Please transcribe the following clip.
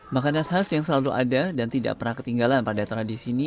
makanan khas yang selalu ada dan tidak pernah ketinggalan pada tradisi ini